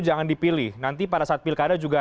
jangan dipilih nanti pada saat pilkada juga